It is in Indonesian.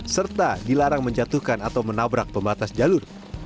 serta dilarang menjatuhkan atau menabrak pembatas jalur